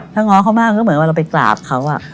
ถ้าง้อเขามากก็เหมือนว่าเราไปกราบเขา